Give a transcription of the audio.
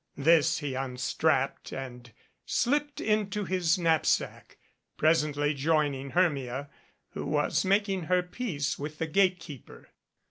This he unstrapped and slipped into his knap sack, presently joining Hermia, who was making her peace with the gate keeper.